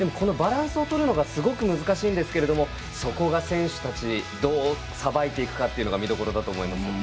バランスをとるのがすごく難しいんですけれどもそこが選手たちどうさばいていくかが見どころだと思います。